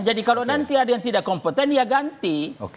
jadi kalau nanti ada yang tidak kompeten dia ganti